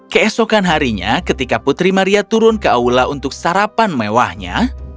keesokan harinya ketika putri maria turun ke aula untuk sarapan mewahnya